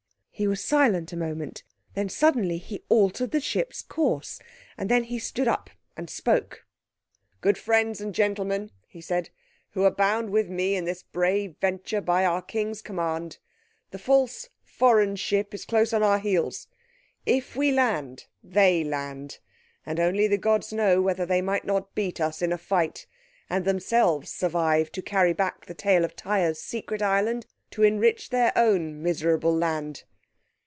He was silent a moment, then suddenly he altered the ship's course, and then he stood up and spoke. "Good friends and gentlemen," he said, "who are bound with me in this brave venture by our King's command, the false, foreign ship is close on our heels. If we land, they land, and only the gods know whether they might not beat us in fight, and themselves survive to carry back the tale of Tyre's secret island to enrich their own miserable land.